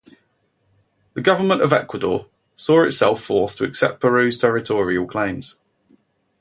The government of Ecuador, saw itself forced to accept Peru's territorial claims.